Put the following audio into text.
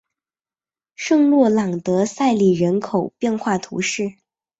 圣洛朗德塞里人口变化图示